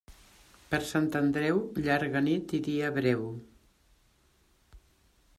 Per Sant Andreu, llarga nit i dia breu.